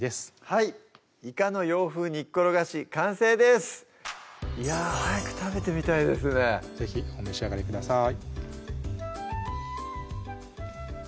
「イカの洋風煮っころがし」完成ですいや早く食べてみたいですね是非お召し上がりください